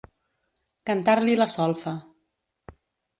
Cantar-li la solfa.